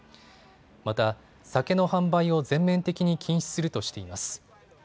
また酒の販売を全面的に禁止するとしています。